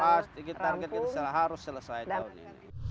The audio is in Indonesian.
pasti kita target harus selesai tahun ini